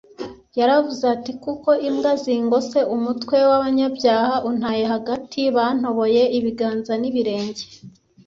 yaravuze ati, “kuko imbwa zingose, umutwe w’abanyabyaha untaye hagati, bantoboye ibiganza n’ibirenge